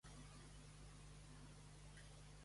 Vola demanar dos cafès amb llet grans.